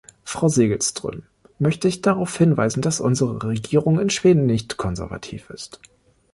Frau Segelström möchte ich darauf hinweisen, dass unsere Regierung in Schweden nicht konservativ ist.